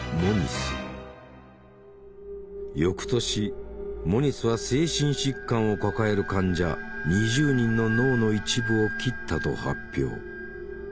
翌年モニスは精神疾患を抱える患者２０人の脳の一部を切ったと発表。